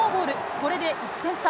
これで１点差。